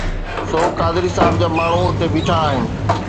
سو قادري صاحب جا ماڻهو اتي بيٺا آهن.